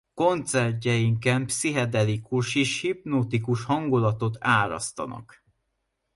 Koncertjeiken pszichedelikus és hipnotikus hangulatot árasztanak.